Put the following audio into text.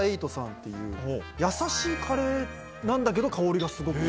優しいカレーなんだけど香りがスゴくする。